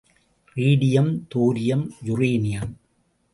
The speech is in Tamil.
Radium, thorium, uranium.